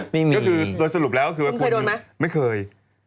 ไม่มีคุณเคยโดนไหมไม่เคย